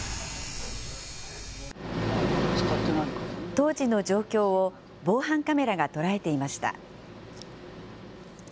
当時の状況を防犯カメラが捉えていました。